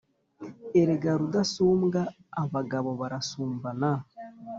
Erega Rudasumbwa abagabo barasumbana